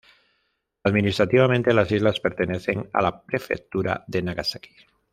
Administrativamente, las islas pertenecen a la prefectura de Nagasaki.